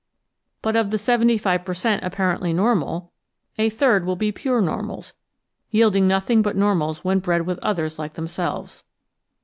But of the 75 per cent, apparently normal a third will be pure normals, yielding nothing but normals when bred with others like themselves.